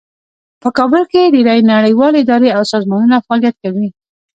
په کابل کې ډیرې نړیوالې ادارې او سازمانونه فعالیت کوي